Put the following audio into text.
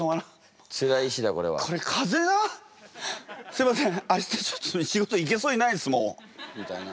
「すいません明日ちょっと仕事行けそうにないですもう」みたいな。